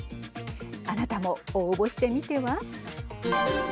あなたも応募してみては。